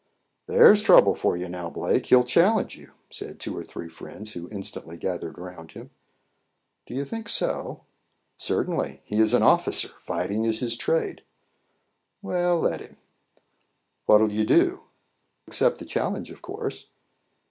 "There's trouble for you now, Blake; he'll challenge you," said two or three friends who instantly gathered around him. "Do you think so?" "Certainly; he is an officer fighting is his trade." "Well, let him." "What'll you do?" "Accept the challenge, of course."